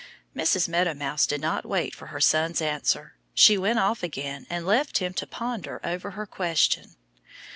Mrs. Meadow Mouse did not wait for her son's answer. She went off again and left him to ponder over her question.